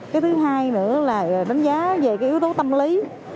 cái thứ hai nữa là đánh giá về cái yếu tố tâm lý